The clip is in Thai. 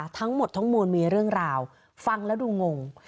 ทั้งหมดทั้งมวลมีเรื่องราวฟังแล้วดูงง